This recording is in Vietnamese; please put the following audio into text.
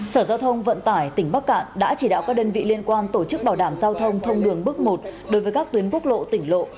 sở giao thông vận tải tỉnh bắc cạn đã chỉ đạo các đơn vị liên quan tổ chức bảo đảm giao thông thông đường bước một đối với các tuyến quốc lộ tỉnh lộ